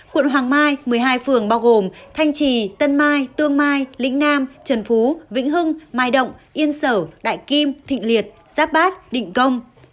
quận hoàng mai một mươi hai phường bao gồm thanh trì tân mai tương mai lĩnh nam trần phú vĩnh hưng mai động yên sở đại kim thịnh liệt giáp bát định công